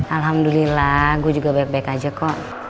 alhamdulillah gue juga baik baik aja kok